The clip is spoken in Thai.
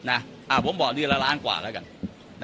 นะผมบอกเดือนละล้านกว่าแล้วกัน